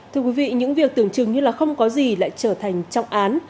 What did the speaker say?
thưa quý vị những việc tưởng chừng như là không có gì lại trở thành trọng án